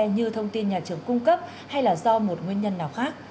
như thông tin nhà trường cung cấp hay là do một nguyên nhân nào khác